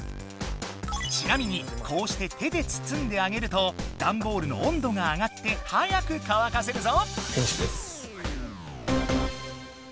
ちなみにこうして手でつつんであげるとダンボールの温度が上がってはやくかわかせるぞ！